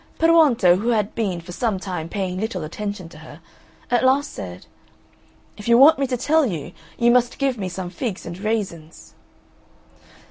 Peruonto, who had been for some time paying little attention to her, at last said, "If you want me to tell you, you must give me some figs and raisins."